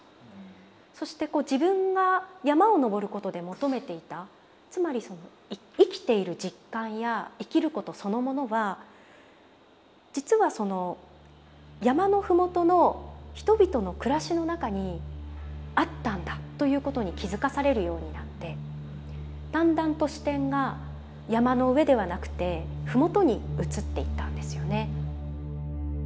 そして自分が山を登ることで求めていたつまりその生きている実感や生きることそのものは実はその山の麓の人々の暮らしの中にあったんだということに気付かされるようになってだんだんと視点が山の上ではなくて麓に移っていったんですよね。